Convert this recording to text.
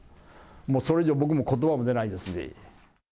もうそれ以上、僕はことばも出ないですし。